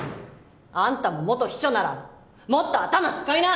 あんたも元秘書ならもっと頭使いな！